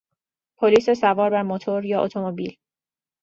پلیس سوار بر موتور یا اتومبیل